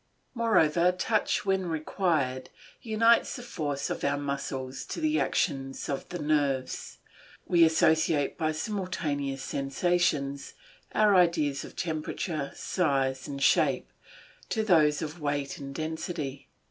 Moreover, touch, when required, unites the force of our muscles to the action of the nerves; we associate by simultaneous sensations our ideas of temperature, size, and shape, to those of weight and density.